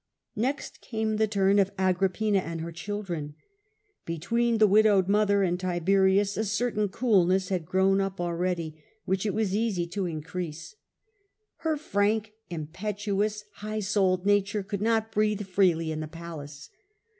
Next came the turn of Agrippina and her children. Between the widowed mother and Tiberius a certain coolness had grown up already, which it was easy to in crease. Her frank, impetuous, high souled nature could not breathe freely in the palace.